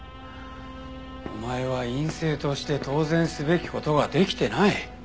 お前は院生として当然すべき事ができてない。